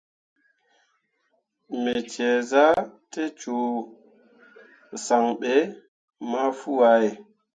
Me ceezah te cũũ san ɓe mah fuu ah.